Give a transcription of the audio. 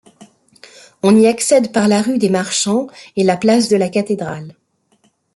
On y accède par la rue des Marchands et la place de la Cathédrale.